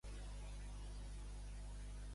Vaig visitar la catedral de Santiago de nit.